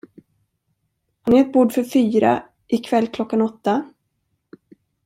Har ni ett bord för fyra, ikväll klockan åtta?